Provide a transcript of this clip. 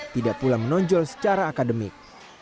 tidak pula menonjol secara akademik